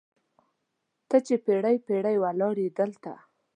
ته چې پیړۍ، پیړۍ ولاړیې دلته